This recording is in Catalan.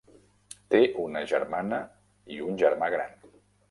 Té una germana i un germà gran.